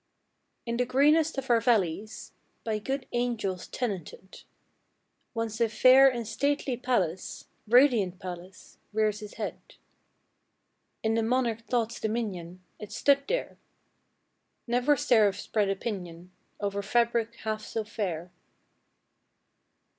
In the greenest of our valleys By good angels tenanted, Once a fair and stately palace Radiant palace reared its head. In the monarch Thought's dominion It stood there! Never seraph spread a pinion Over fabric half so fair!